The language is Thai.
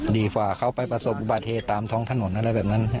ดีฟ่าเข้าไปประสบบุปไทยตามท้องถนนอะไรแบบนั้น